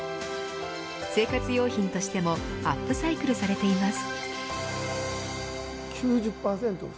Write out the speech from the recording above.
生活用品としてもアップサイクルされています。